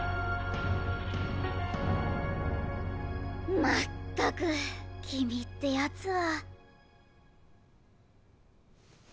まったくキミってやつは。